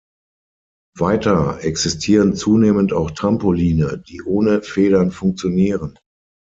Weiter existieren zunehmend auch Trampoline, die ohne Federn funktionieren.